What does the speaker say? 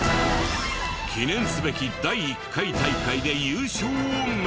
記念すべき第１回大会で優勝を目指す！